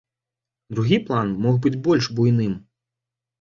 Другі план мог быць больш буйным.